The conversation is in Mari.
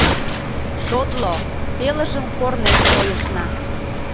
Шотло, пелыжым корнеш тойышна.